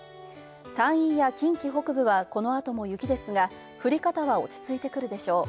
山陰や近畿北部は、この後も雪ですが、降り方は落ち着いてくるでしょう。